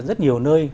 rất nhiều nơi